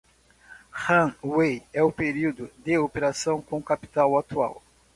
Runway é o período de operação com o capital atual.